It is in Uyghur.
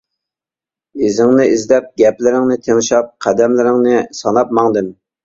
ئىزىڭنى ئىزدەپ، گەپلىرىڭنى تىڭشاپ، قەدەملىرىڭنى ساناپ ماڭدىم.